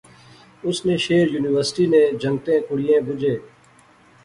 اس نے شعر یونیورسٹی نے جنگتیں کڑئیں بجے